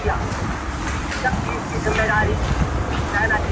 زورور یم خو څوک نه آزارومه!.